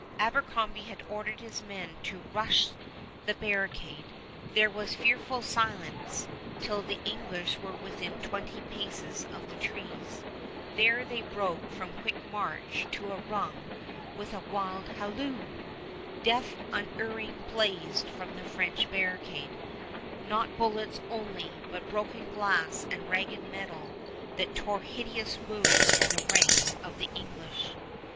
Abercrombie had ordered his men to rush the barricade. There was fearful silence till the English were within twenty paces of the trees. There they broke from quick march to a run with a wild halloo! Death unerring blazed from the French barricade, not bullets only, but broken glass and ragged metal that tore hideous wounds in the ranks of the English.